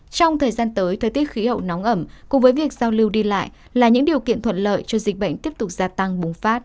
trong thời gian tới thời tiết khí hậu nóng ẩm cùng với việc giao lưu đi lại là những điều kiện thuận lợi cho dịch bệnh tiếp tục gia tăng bùng phát